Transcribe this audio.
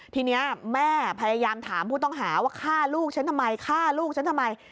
ทีนี้แม่พยายามถามผู้ต้องหาว่าฆ่าลูกฉันทำไมฆ่าลูกฉันทำไม